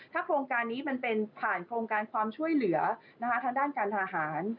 โครงการนี้มันเป็นผ่านโครงการความช่วยเหลือทางด้านการทหาร